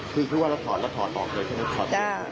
คือคือว่าแล้วถอดออกเลยใช่ไหม